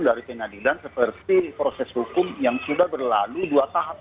dari penadilan seperti proses hukum yang sudah berlalu dua tahun ini